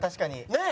ねえ！